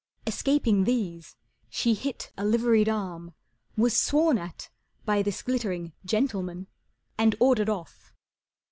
Escaping these, she hit a liveried arm, Was sworn at by this glittering gentleman And ordered off.